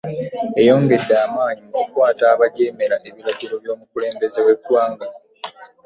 Eyongedde amaanyi mu kukwata abajeemera ebiragiro by'omukulembeze w'eggwanga.